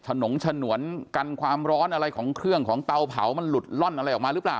ฉนงฉนวนกันความร้อนอะไรของเครื่องของเตาเผามันหลุดล่อนอะไรออกมาหรือเปล่า